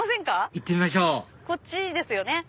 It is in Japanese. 行ってみましょうこっちですよね